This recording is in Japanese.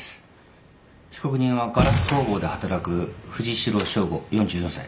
被告人はガラス工房で働く藤代省吾４４歳。